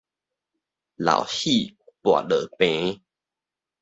老戲跋落棚